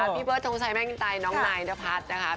พี่เบิร์ดทงชัยแม่งินไตน้องนายนพัฒน์นะคะ